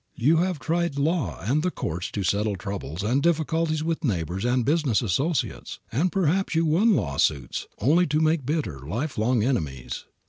You have tried law and the courts to settle troubles and difficulties with neighbors and business associates, and perhaps you won lawsuits only to make bitter, life long enemies.